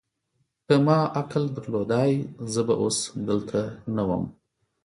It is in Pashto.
که ما عقل درلودای، زه به اوس دلته نه ووم.